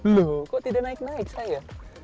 loh kok tidak naik naik saya